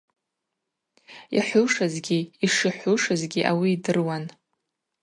Йхӏвушызгьи йшихӏвушызгьи ауи йдыруан.